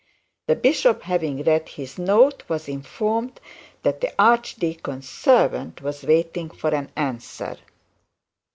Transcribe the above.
The bishop having read this note was informed that the archdeacon's servant was waiting for an answer.